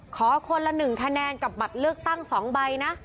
ขอคนละ๑คะแนนกับบัตรเลือกตั้ง๒ใบนะ